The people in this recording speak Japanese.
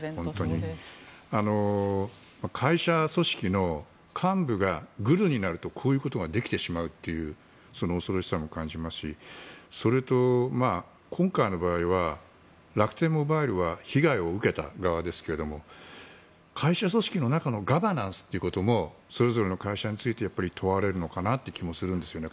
会社組織の幹部がぐるになるとこういうことができてしまうというその恐ろしさも感じますしそれと今回の場合は楽天モバイルは被害を受けた側ですけれども会社組織の中のガバナンスということもそれぞれの会社について問われるのかなという気もするんですね。